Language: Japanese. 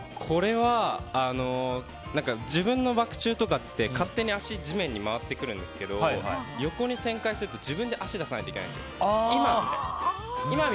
これは自分のバク宙とかって勝手に足が地面に回ってくるんですけど横に旋回すると自分で足を出さないといけないんですよ。